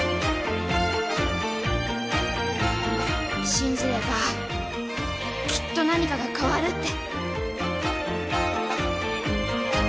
信じればきっと何かが変わるって